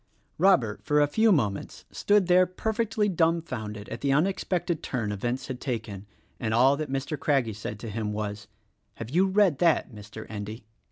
Robert, for a few moments, stood there perfectly dumbfounded at the unexpected turn events had taken, and all that Mr. Craggie said to him was, "Have you read that, Mr. Endy?"